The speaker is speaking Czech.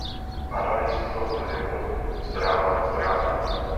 Analýzu tohoto jevu zpráva postrádá.